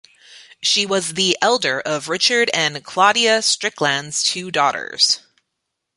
She was the elder of Richard and Claudia Strickland's two daughters.